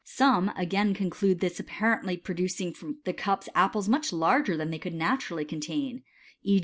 Some, again, conclude by appa rently producing from the cups objects much larger than they could naturally contain, e.